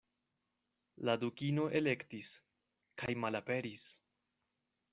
La Dukino elektis, kajmalaperis!